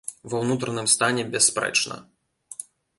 Ва ўнутраным стане бясспрэчна.